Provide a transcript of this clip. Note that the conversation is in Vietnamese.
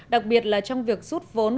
đặc biệt là trong việc xuất vốn